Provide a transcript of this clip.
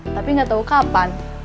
tapi gak tau kapan